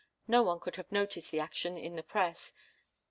No one could have noticed the action in the press.